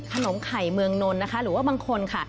ขนมไข่เมืองนลหรือว่าบางคนค่ะ